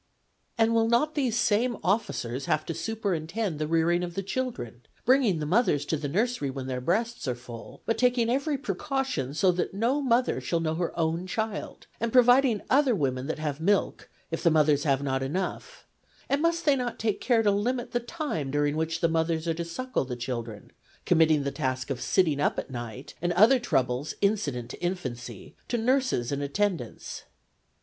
' And will not these same officers have to superintend the rearing of the children, bringing the mothers to the nursery when their breasts are full, but taking every precaution that no mother shall know her own child, and providing other women that have milk, if the mothers have not enough : and must they not take care to limit the time during which the mothers are to suckle the children, committing the task of sitting up at night, and other troubles incident to infancy, to nurses and attendants